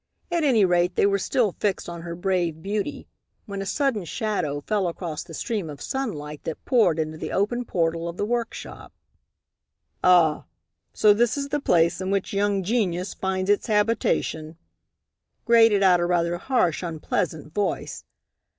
At any rate, they were still fixed on her brave beauty when a sudden shadow fell across the stream of sunlight that poured into the open portal of the workshop. "Ah! So this is the place in which young genius finds its habitation;" grated out a rather harsh, unpleasant voice.